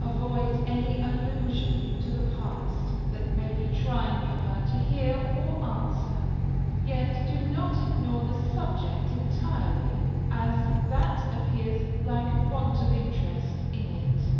Avoid any allusion to the past that may be trying for her to hear or answer, yet do not ignore the subject entirely, as that appears like a want of interest in it.